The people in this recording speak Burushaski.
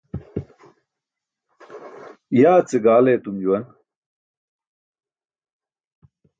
Yaa ce gaal etum juwan